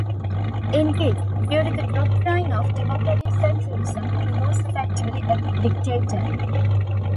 Indeed, due to the doctrine of democratic centralism, he was effectively a dictator.